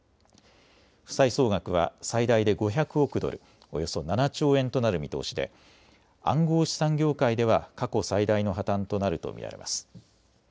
負債総額は最大で５００億ドル、およそ７兆円となる見通しで暗号資産業界では過去最大の破綻となると見られます。